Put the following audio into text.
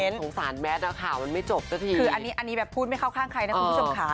รู้คุณสามารถพูดไม่เข้าข้างใครนะคุณพี่สมขา